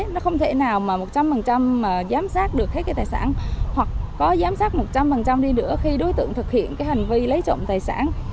nó không thể nào mà một trăm linh mà giám sát được hết cái tài sản hoặc có giám sát một trăm linh đi nữa khi đối tượng thực hiện cái hành vi lấy trộm tài sản